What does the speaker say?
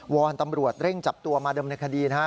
อนตำรวจเร่งจับตัวมาเดิมในคดีนะฮะ